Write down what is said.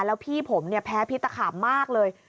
แล้วพี่ผมแพ้พิตรตะขาบมากเลย